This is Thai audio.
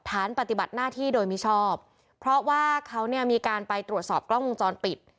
ฐานปฏิบัติหน้าที่โดยมิชอบเพราะว่าเขาเนี่ยมีการไปตรวจสอบกล้องวงจรปิด